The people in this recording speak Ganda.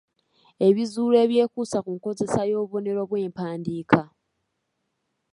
Ebizuulo ebyekuusa ku nkozesa y’obubonero bw’empandiika.